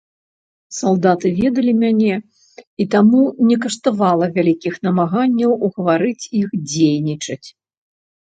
Салдаты ведалі мяне, і таму не каштавала вялікіх намаганняў угаварыць іх дзейнічаць.